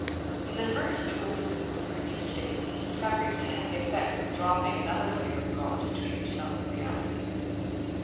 In the first bewilderment of her new state these discoveries had had the effect of dropping another layer of gauze between herself and reality.